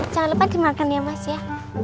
jangan lupa dimakan ya mas ya